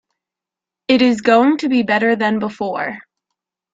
It is going to be better than before.